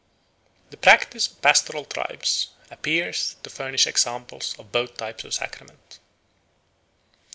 The practice of pastoral tribes appears to furnish examples of both types of sacrament.